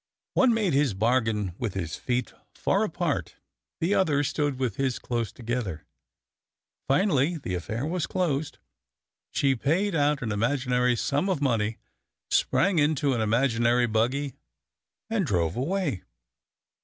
One made his bargain with his feet far apart, the other stood with his close together. Finally the affair was closed, she paid out an imaginary sum of money, sprang into an imaginary buggy, and drove away.